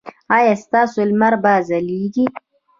ایا ستاسو لمر به ځلیږي؟